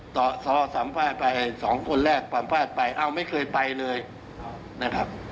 ต่อซอสัมภาษณ์ไปสองคนแรกความพลาดไปเอ้าไม่เคยไปเลยนะครับ